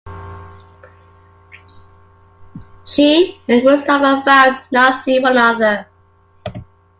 She and Christopher vow not see one another.